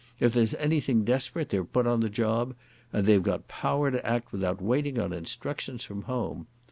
If there's anything desperate they're put on the job, and they've got power to act without waiting on instructions from home.